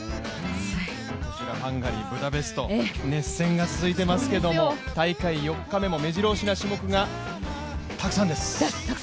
こちらハンガリー・ブダペスト、熱戦が続いていますけど、大会４日目もめじろ押しな種目がたくさんです。